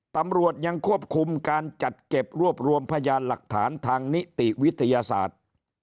ตำรวจยังควบคุมการจัดเก็บรวบรวมพยานหลักฐานทางนิติวิทยาศาสตร์